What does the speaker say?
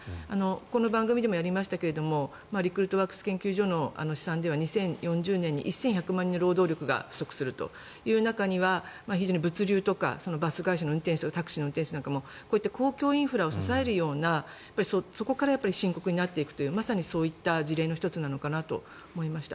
この番組でもやりましたがリクルートワークス研究所の試算では２０４０年に１１００万人の労働力が不足するという中には非常に物流とかバス会社の運転手とかタクシーの運転手とかもこういった公共インフラを支えるようなそこから深刻になっていくというまさにそういった事例の１つなのかなと思いました。